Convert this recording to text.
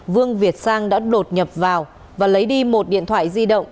vương việt sang đã đột nhập vào và lấy đi một điện thoại di động